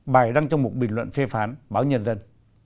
bài đăng trong một bình luận phê phán báo nhân dân